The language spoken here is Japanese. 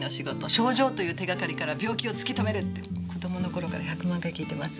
「症状という手がかりから病気を突き止める！」って子供の頃から１００万回聞いてます。